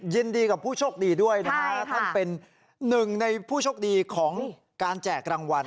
ยินดีกับผู้โชคดีด้วยนะฮะท่านเป็นหนึ่งในผู้โชคดีของการแจกรางวัล